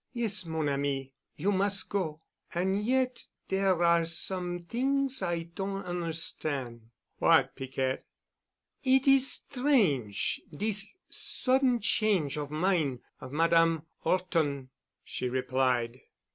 "Yes, mon ami, you mus' go. An' yet there are some t'ings I don' on'erstan'." "What, Piquette?" "It is strange, dis sudden change of min' of Madame 'Orton," she replied.